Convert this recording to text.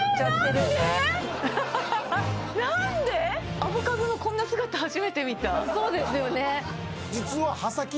アボカドのこんな姿初めて見たそうですよね